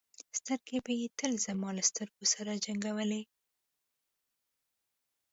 سترګې به یې تل زما له سترګو سره جنګولې.